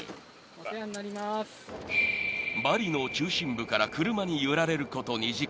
［バリの中心部から車に揺られること］